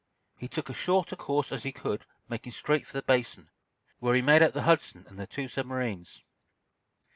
He took as short a course as he could making straight for the Basin, where he made out the "Hudson" and the two submarines.